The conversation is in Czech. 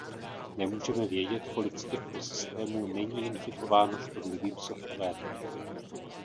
Nemůžeme vědět, kolik z těchto systémů není infikováno škodlivým softwarem.